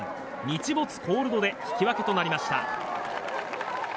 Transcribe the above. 日没コールドで引き分けとなりました。